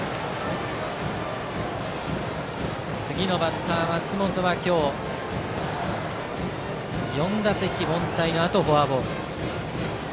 次のバッター、松本は今日、４打席凡退のあとフォアボール。